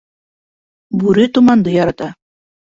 Бүре томанды ярата.